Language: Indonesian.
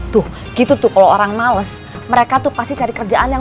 drineng ini mungkin bisa buat apa aja bijinya